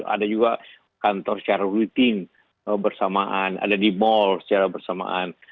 ada juga kantor secara rutin bersamaan ada di mal secara bersamaan